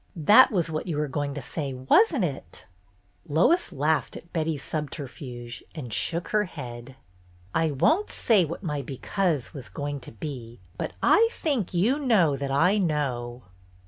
That was what you were going to say, was n't it ?" Lois laughed at Betty's subterfuge and shook her head. "I won't say what my 'because' was going to be, but I think you know that I know."